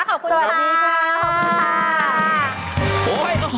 ขอบคุณค่ะสวัสดีค่ะ